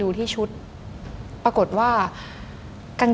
ดิงกระพวน